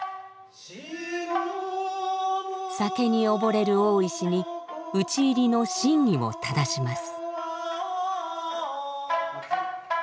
酒に溺れる大石に討ち入りの真意をただします。